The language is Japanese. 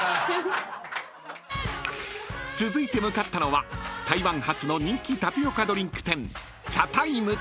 ［続いて向かったのは台湾発の人気タピオカドリンク店］